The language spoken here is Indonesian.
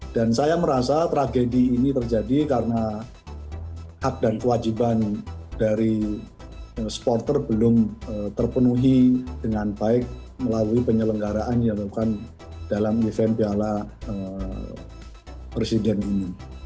dan saya merasa tragedi ini terjadi karena hak dan kewajiban dari supporter belum terpenuhi dengan baik melalui penyelenggaraan dalam event piala presiden ini